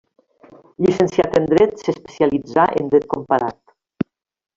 Llicenciat en dret, s'especialitzà en dret comparat.